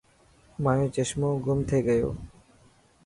مايو چشمو گم ٿي گيو.